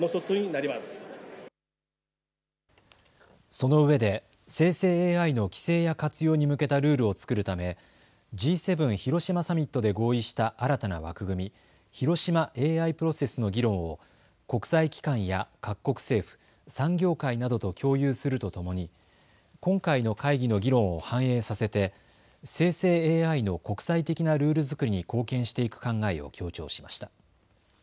そのうえで生成ＡＩの規制や活用に向けたルールを作るためＧ７広島サミットで合意した新たな枠組み、広島ＡＩプロセスの議論を国際機関や各国政府、産業界などと共有するとともに今回の会議の議論を反映させて生成ＡＩの国際的なルール作りに貢献していく考えを強調しました。